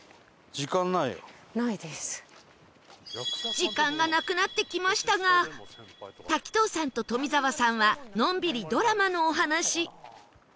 時間がなくなってきましたが滝藤さんと富澤さんはのんびりドラマのお話